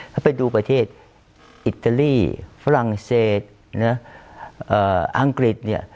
ถ้าไปดูประเทศอิตาลีฝรั่งเศสอังกฤษเนี่ย